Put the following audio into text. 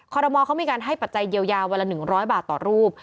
รมอลเขามีการให้ปัจจัยเยียวยาวันละ๑๐๐บาทต่อรูป